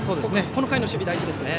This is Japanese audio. この回の守備、大事ですね。